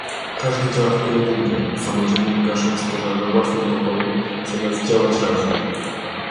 Każdy działa w pojedynkę, samodzielnie gasząc pożar we własnym pokoju, zamiast działać razem